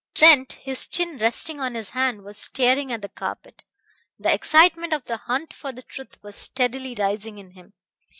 Trent, his chin resting on his hand, was staring at the carpet. The excitement of the hunt for the truth was steadily rising in him.